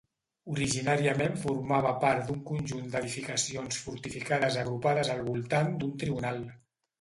Originàriament formava part d'un conjunt d'edificacions fortificades agrupades al voltant d'un tribunal.